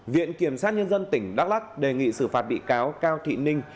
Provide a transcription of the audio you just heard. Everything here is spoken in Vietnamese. viện kiểm sát nhân dân tỉnh đắk lắc đề nghị xử phạt bị cáo cao thị ninh